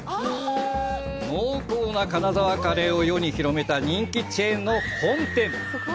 濃厚な金沢カレーを世に広めた人気のチェーンの本店。